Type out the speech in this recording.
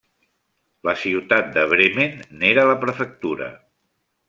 La ciutat de Bremen n'era la prefectura.